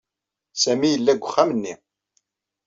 Sami yella deg uxxam-nni.